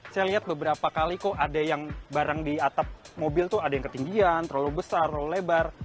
saya lihat beberapa kali kok ada yang barang di atap mobil tuh ada yang ketinggian terlalu besar terlalu lebar